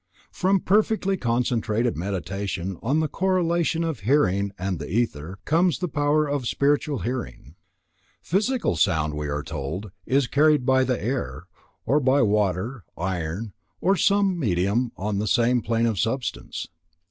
From perfectly concentrated Meditation on the correlation of hearing and the ether, comes the power of spiritual hearing. Physical sound, we are told, is carried by the air, or by water, iron, or some medium on the same plane of substance.